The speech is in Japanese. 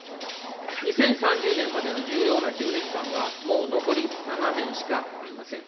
２０３０年までの重要な１０年間は、もう残り７年しかありません。